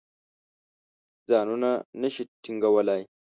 ځانونه نه شي ټینګولای.